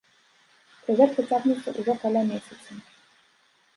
Праверка цягнецца ўжо каля месяца.